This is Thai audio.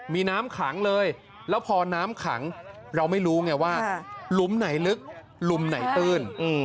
มีน้ำขังเลยแล้วพอน้ำขังเราไม่รู้ไงว่าหลุมไหนลึกหลุมไหนตื้น